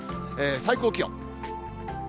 最高気温。